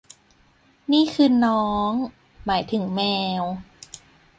นี่คือ 'น้อง' หมายถึงแมว